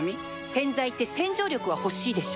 洗剤って洗浄力は欲しいでしょ